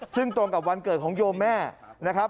ซึ่งตรงกับวันเกิดของโยมแม่นะครับ